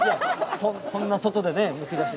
こんな外でねむき出し。